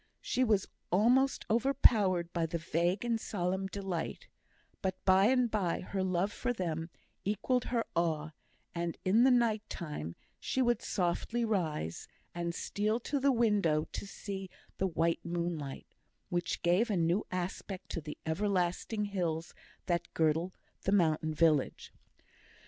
She was almost overpowered by the vague and solemn delight; but by and by her love for them equalled her awe, and in the night time she would softly rise, and steal to the window to see the white moonlight, which gave a new aspect to the everlasting hills that girdle the mountain village.